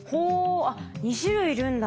あっ２種類いるんだ。